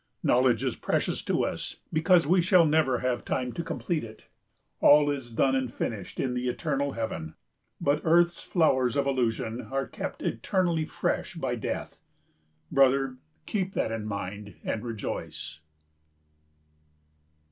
Knowledge is precious to us, because we shall never have time to complete it. All is done and finished in the eternal Heaven. But earth's flowers of illusion are kept eternally fresh by death. Brother, keep that in mind and rejoice.